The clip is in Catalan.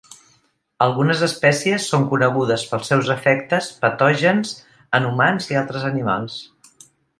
Algunes espècies són conegudes pels seus efectes patògens en humans i altres animals.